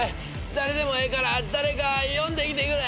誰でもええから誰か呼んできてくれ。